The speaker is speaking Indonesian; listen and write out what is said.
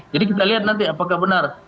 jadi kita lihat nanti apakah benar